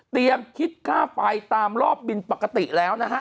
คิดค่าไฟตามรอบบินปกติแล้วนะฮะ